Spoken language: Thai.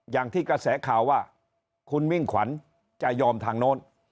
อย่างที่กระแสข่าวว่าคุณมิ่งขวัญจะยอมทางโน้น